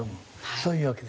そういうわけで。